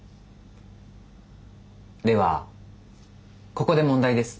ではここで問題です。